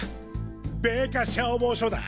米花消防署だ！！